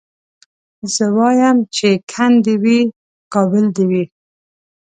زه وايم چي کند دي وي کابل دي وي